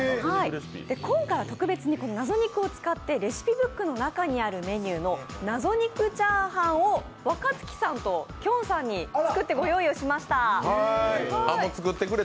今回、特別に謎肉を使ったレシピブックの中にあるメニュー謎肉チャーハンを若槻さんときょんさんに作ってご用意しました。